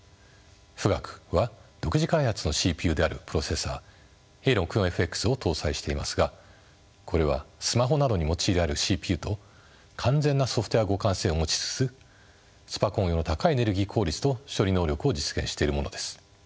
富岳は独自開発のＣＰＵであるプロセッサーＡ６４ＦＸを搭載していますがこれはスマホなどに用いられるＣＰＵと完全なソフトウエア互換性を持ちつつスパコン用の高いエネルギー効率と処理能力を実現しているものです。